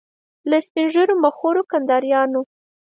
له سپین ږیرو مخورو کنداریانو.